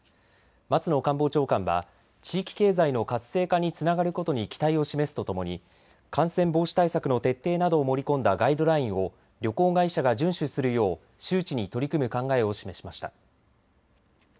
松野官房長官は地域経済の活性化につながることに期待を示すとともに感染防止対策の徹底などを盛り込んだガイドラインを旅行会社が順守するよう周知に取り組む考えを示しました。